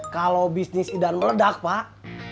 kalau bisnis idan meledak pak